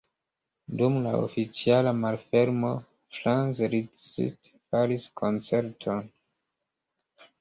Dum la oficiala malfermo Franz Liszt faris koncerton.